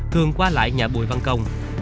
thường qua lại nhà bùi văn công